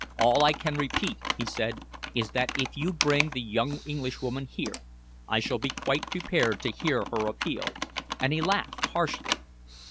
"All I can repeat," he said, "is that if you bring the young Englishwoman here I shall be quite prepared to hear her appeal." And he laughed harshly.